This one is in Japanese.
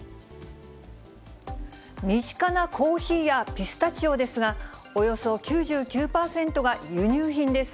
身近なコーヒーやピスタチオですが、およそ９９％が輸入品です。